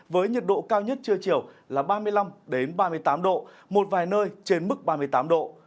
với nhiệt độ cao nhất trưa chiều là ba mươi năm ba mươi tám độ một vài nơi trên mức ba mươi tám độ